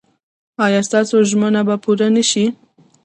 ایا ستاسو ژمنه به پوره نه شي؟